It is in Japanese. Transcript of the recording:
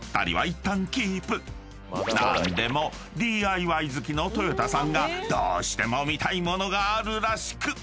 ［なんでもＤＩＹ好きのとよたさんがどうしても見たい物があるらしく］